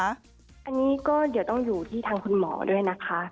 อันนี้ก็เดี๋ยวต้องอยู่ที่ทางคุณหมอด้วยนะคะ